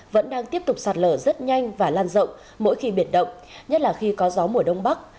vẫn đang tiếp tục sạt lở rất nhanh và lan rộng mỗi khi biển động nhất là khi có gió mùa đông bắc